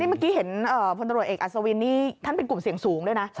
เมื่อกี้เห็นพลตรวจเอกอัศวินนี่ท่านเป็นกลุ่มเสี่ยงสูงด้วยนะ